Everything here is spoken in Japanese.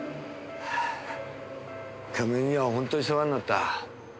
亀井には本当に世話になった。